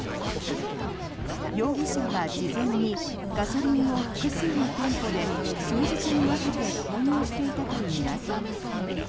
容疑者は事前にガソリンを複数の店舗で数日に分けて購入していたといいます。